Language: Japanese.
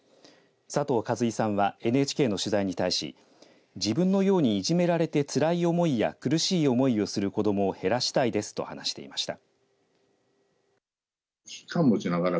佐藤和威さんはＮＨＫの取材に対し自分のようにいじめられてつらい思いや苦しい思いをする子どもを減らしたいですと話していました。